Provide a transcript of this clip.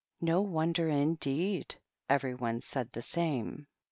No wonder, indeed ! Everyone said the same.